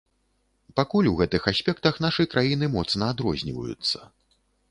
Пакуль у гэтых аспектах нашы краіны моцна адрозніваюцца.